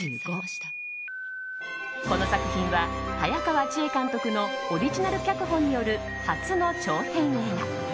この作品は、早川千絵監督のオリジナル脚本による初の長編映画。